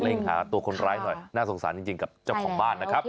หาตัวคนร้ายหน่อยน่าสงสารจริงกับเจ้าของบ้านนะครับ